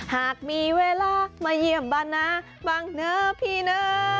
หากมีเวลามาเยี่ยมบ้านหน้าบั้งเนอร์พี่เนอร์